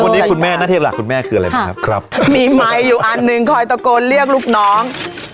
วันนี้คุณแม่ณเทศหลักคุณแม่คืออะไรบ้างครับครับมีไมค์อยู่อันหนึ่งคอยตะโกนเรียกลูกน้อง